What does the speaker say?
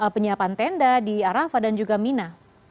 penyiapan tenda di arafah dan juga mina